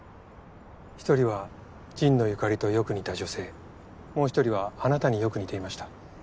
１人は神野由香里とよく似た女性もう１人はあなたによく似ていました。